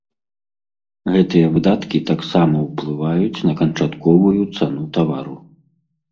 Гэтыя выдаткі таксама ўплываюць на канчатковую цану тавару.